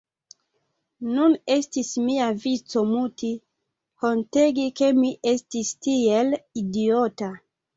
Nun estis mia vico muti, hontegi ke mi estis tiel idiota.